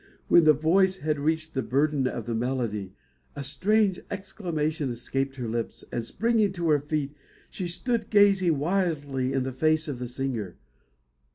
When the voice had reached the burden of the melody, a strange exclamation escaped her lips; and, springing to her feet, she stood gazing wildly in the face of the singer.